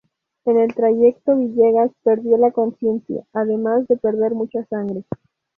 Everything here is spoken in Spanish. En el trayecto Villegas perdió la conciencia además de perder mucha sangre.